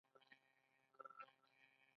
حق مه خورئ